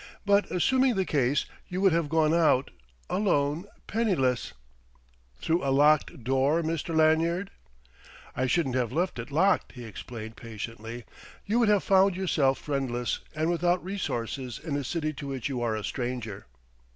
But assuming the case: you would have gone out, alone, penniless " "Through a locked door, Mr. Lanyard?" "I shouldn't have left it locked," he explained patiently.... "You would have found yourself friendless and without resources in a city to which you are a stranger."